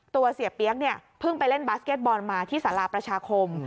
เสียเปี๊ยกเนี่ยเพิ่งไปเล่นบาสเก็ตบอลมาที่สาราประชาคม